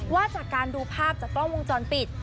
ว่าจากการดูภาพจากกล้องวงจรปิด